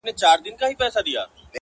شرنګ د زولنو به دي غوږو ته رسېدلی وي!!